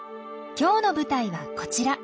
今日の舞台はこちら。